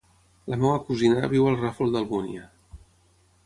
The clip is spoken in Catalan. La meva cosina viu al Ràfol d'Almúnia.